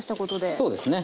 そうですね。